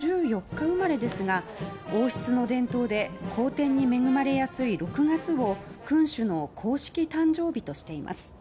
現在７４歳のチャールズ国王は１１月１４日生まれですが王室の伝統で好天に恵まれやすい６月を君主の公式誕生日としています。